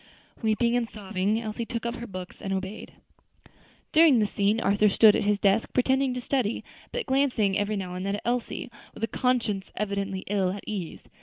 Weeping and sobbing, Elsie took up her books and obeyed. During this scene Arthur stood at his desk pretending to study, but glancing every now and then at Elsie, with a conscience evidently ill at ease.